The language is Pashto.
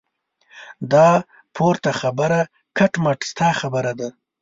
دا پورته خبره کټ مټ ستا خبره ده.